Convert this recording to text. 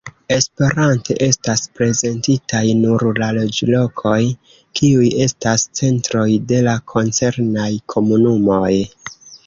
Esperante estas prezentitaj nur la loĝlokoj, kiuj estas centroj de la koncernaj komunumoj.